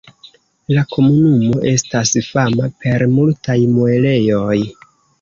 La komunumo estas fama per multaj muelejoj.